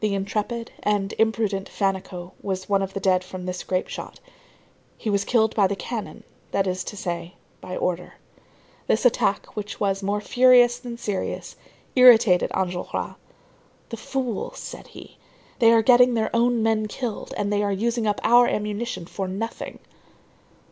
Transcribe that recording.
The intrepid and imprudent Fannicot was one of the dead from this grape shot. He was killed by the cannon, that is to say, by order. This attack, which was more furious than serious, irritated Enjolras.—"The fools!" said he. "They are getting their own men killed and they are using up our ammunition for nothing."